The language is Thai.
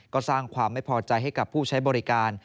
ก็สร้างความไม่พอใจให้กับผู้ใช้บริการ